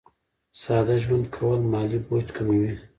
ساده ژوند کول مالي بوج کموي.